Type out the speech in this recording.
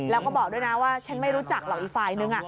แล้วก็บอกด้วยนะว่าฉันไม่รู้จักหรอกอีกฝ่ายนึง